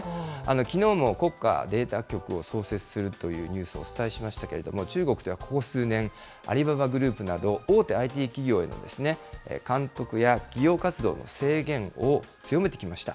きのうも国家データ局を創設するというニュースをお伝えしましたけれども、中国ではここ数年、アリババグループなど、大手ＩＴ企業への監督や企業活動の制限を強めてきました。